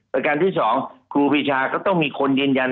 ประการที่สองครูปีชาก็ต้องมีคนยืนยัน